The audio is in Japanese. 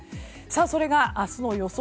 それが明日の予想